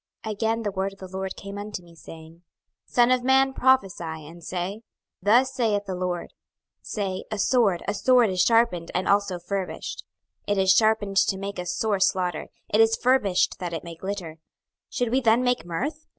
26:021:008 Again the word of the LORD came unto me, saying, 26:021:009 Son of man, prophesy, and say, Thus saith the LORD; Say, A sword, a sword is sharpened, and also furbished: 26:021:010 It is sharpened to make a sore slaughter; it is furbished that it may glitter: should we then make mirth?